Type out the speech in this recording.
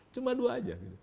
cuma dua saja